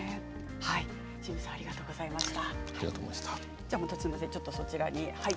清水さんありがとうございました。